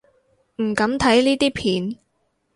唔敢睇呢啲片